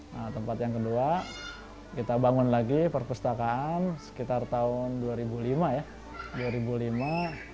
nah tempat yang kedua kita bangun lagi perpustakaan sekitar tahun dua ribu lima ya